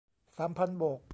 สามพันโบก